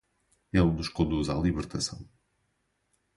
Ele nos conduz à libertação